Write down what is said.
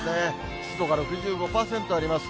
湿度が６５％あります。